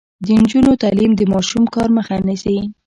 د نجونو تعلیم د ماشوم کار مخه نیسي.